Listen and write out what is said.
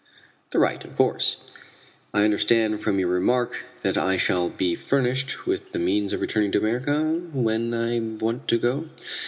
"The right, of course." "I understand from your remark that I shall be furnished with the means of returning to America when I want to go?"